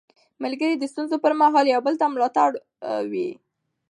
ملګري د ستونزو پر مهال یو بل ته ملا تړ وي